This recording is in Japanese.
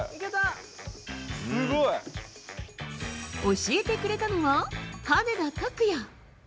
教えてくれたのは羽根田卓也。